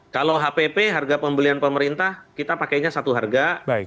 kalau hpp harga pembelian pemerintah kita pakainya satu harga